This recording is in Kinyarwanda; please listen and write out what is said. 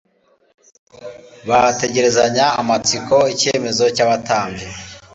bategerezanya amatsiko icyemezo cy'abatambyi.